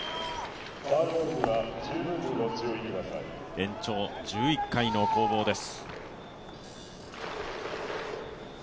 延長１１回の攻防です。